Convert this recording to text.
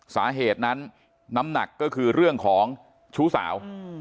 สาเหตุนั้นน้ำหนักก็คือเรื่องของชู้สาว